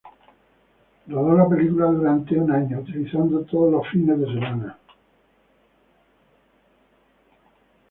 Rodó la película durante un año, utilizando todos los fines de semana.